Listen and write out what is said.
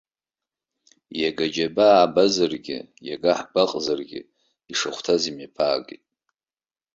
Иага џьабаа аабазаргьы, иага ҳгәаҟзаргьы, ишахәҭаз имҩаԥаагеит.